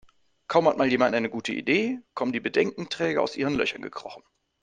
Kaum hat mal jemand eine gute Idee, kommen die Bedenkenträger aus ihren Löchern gekrochen.